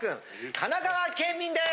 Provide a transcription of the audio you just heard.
神奈川県民です！